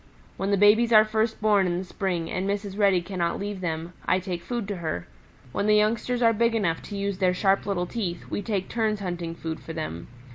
When the babies are first born in the spring and Mrs. Reddy cannot leave them, I take food to her. When the youngsters are big enough to use their sharp little teeth, we take turns hunting food for them.